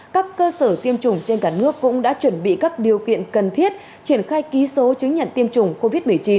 các cơ sở tiêm chủng trên cả nước cũng đã chuẩn bị các điều kiện cần thiết triển khai ký số chứng nhận tiêm chủng covid một mươi chín